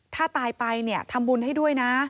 ถ้าตายไปเนี่ยทำบุญให้ด้วยนะ